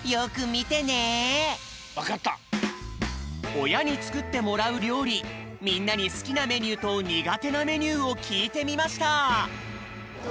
おやにつくってもらうりょうりみんなにすきなメニューとにがてなメニューをきいてみました！